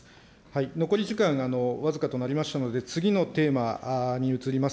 残り時間僅かとなりましたので、次のテーマに移ります。